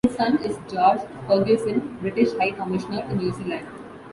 His son is George Fergusson, British High Commissioner to New Zealand.